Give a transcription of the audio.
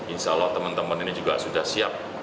insya allah teman teman ini juga sudah siap